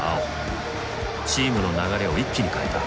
チームの流れを一気に変えた。